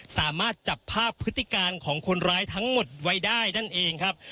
สามารถจับภาพพฤติการของคนร้ายทั้งหมดไว้ได้นั่นเองครับ